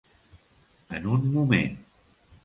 En un moment.